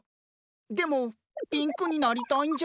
でもピンクになりたいんじゃ。